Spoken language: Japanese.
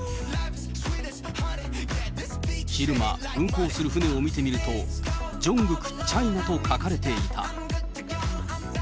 昼間、運航する船を見てみると、ジョングクチャイナと書かれていた。